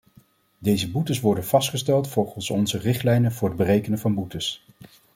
Deze boetes worden vastgesteld volgens onze richtlijnen voor het berekenen van boetes.